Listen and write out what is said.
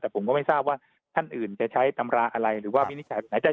แต่ผมก็ไม่ทราบว่าท่านอื่นจะใช้ตำราอะไรหรือว่าวินิจฉัย